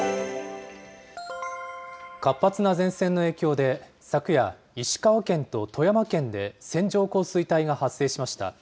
活発な前線の影響で、昨夜、石川県と富山県で線状降水帯が発生しました。